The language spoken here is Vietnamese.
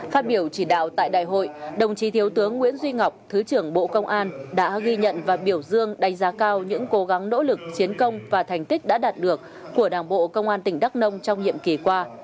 phát biểu chỉ đạo tại đại hội đồng chí thiếu tướng nguyễn duy ngọc thứ trưởng bộ công an đã ghi nhận và biểu dương đánh giá cao những cố gắng nỗ lực chiến công và thành tích đã đạt được của đảng bộ công an tỉnh đắk nông trong nhiệm kỳ qua